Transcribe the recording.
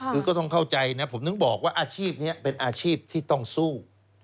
คือก็ต้องเข้าใจนะผมถึงบอกว่าอาชีพนี้เป็นอาชีพที่ต้องสู้